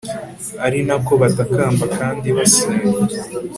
ari na ko batakamba kandi basenga